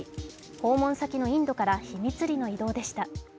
訪問先のインドから秘密裏の移動でした。